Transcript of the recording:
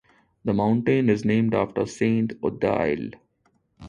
The mountain is named after Saint Odile.